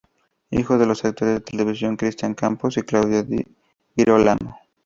Hijo de los actores de televisión Cristián Campos y Claudia Di Girolamo.